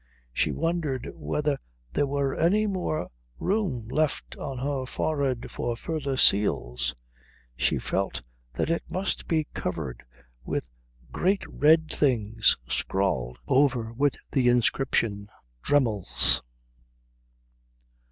She wondered whether there were any more room left on her forehead for further seals. She felt that it must be covered with great red things, scrawled over with the inscription: DREMMEL'S.